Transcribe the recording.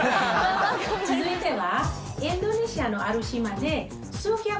続いては。